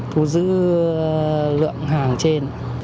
thu giữ lượng hàng trên